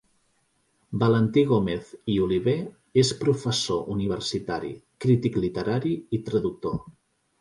Valentí Gómez i Oliver és professor universitari, crític literari i traductor.